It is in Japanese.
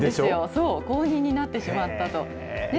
そう、公認になってしまったと。